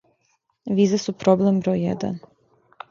Визе су проблем број један.